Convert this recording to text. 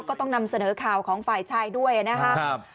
ก็ต้องนำเสนอข่าวของฝ่ายชายด้วยนะครับ